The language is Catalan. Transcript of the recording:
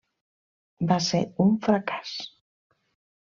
Va ser un fracàs.